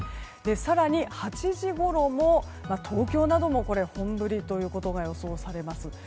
更に８時ごろにも東京などの本降りということが予想されます。